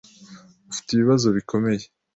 Ufite ibibazo bikomeye.